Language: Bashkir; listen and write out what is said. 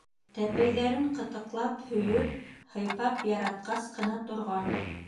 Тәпәйҙәрен ҡытыҡлап, һөйөп, һыйпап яратҡас ҡына торған.